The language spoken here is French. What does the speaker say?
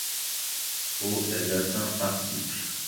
Au elle atteint articles.